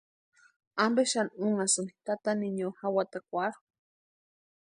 ¿Ampe xani unhasïni tata niño jawatakwarhu?